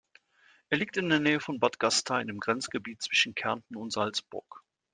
Er liegt in der Nähe von Bad Gastein im Grenzgebiet zwischen Kärnten und Salzburg.